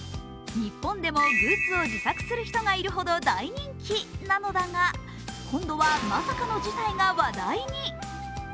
日本でもグッズを自作する人がいるほど大人気なのだが今度はまさかの事態が話題に。